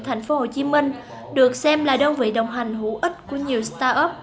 thành phố hồ chí minh được xem là đơn vị đồng hành hữu ích của nhiều start up